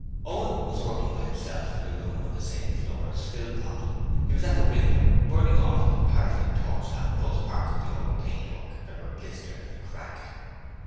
Owen was working by himself in a room on the same floor as Philpot. He was at the window, burning off with a paraffin torch lamp those parts of the old paintwork that were blistered and cracked.